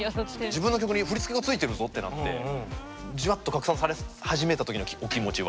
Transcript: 自分の曲に振付がついてるぞってなってジワッと拡散され始めた時のお気持ちは？